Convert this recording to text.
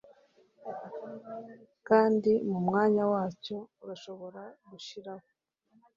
Kandi mu mwanya wacyo urashobora gushiraho